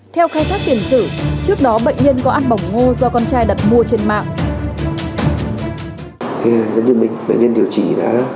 theo khai thác tiền sử trước đó bệnh nhân có ăn bỏng ngô do con trai đặt mua trên mạng